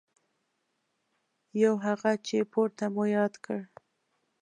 یو هغه چې پورته مو یاد کړ.